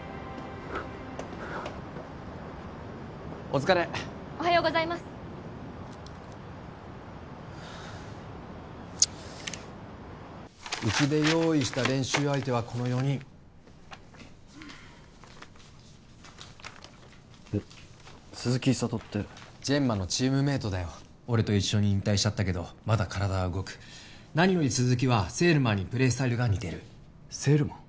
お疲れおはようございますうちで用意した練習相手はこの４人えっ鈴木湧己ってジェンマのチームメイトだよ俺と一緒に引退しちゃったけどまだ体は動く何より鈴木はセールマンにプレースタイルが似てるセールマン？